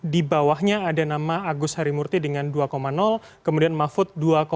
di bawahnya ada nama agus harimurti dengan dua kemudian mahfud dua